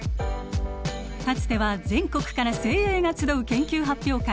かつては全国から精鋭が集う研究発表会